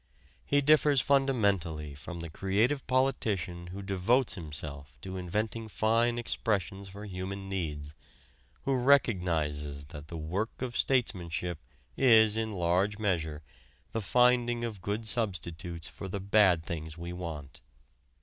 He differs fundamentally from the creative politician who devotes himself to inventing fine expressions for human needs, who recognizes that the work of statesmanship is in large measure the finding of good substitutes for the bad things we want.